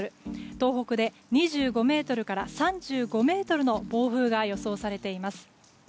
東北で２５メートルから３５メートルの暴風が予想されています。